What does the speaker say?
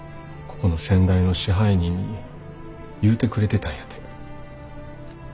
ここの先代の支配人に言うてくれてたんやて。